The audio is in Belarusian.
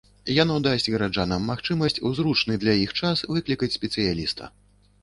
Яно дасць гараджанам магчымасць у зручны для іх час выклікаць спецыяліста.